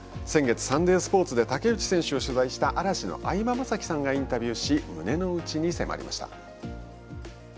先月サンデースポーツで竹内選手を取材した嵐の相葉雅紀さんがインタビューし胸の内に迫りました。